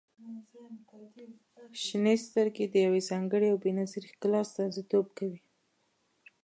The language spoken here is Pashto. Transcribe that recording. • شنې سترګې د يوې ځانګړې او بې نظیرې ښکلا استازیتوب کوي.